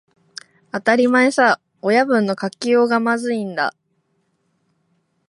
当たり前さ、親分の書きようがまずいんだ